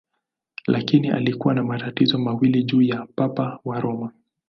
Lakini alikuwa na matatizo mawili juu ya Papa wa Roma.